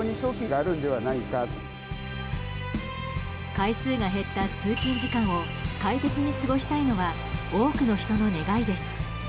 回数が減った通勤時間を快適に過ごしたいのは多くの人の願いです。